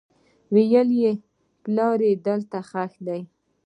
ويې ويل پلار دې هلته ښخ دى.